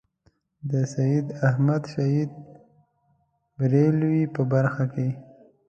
د سید احمد شهید برېلوي په برخه کې.